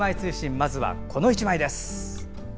まず、この１枚です。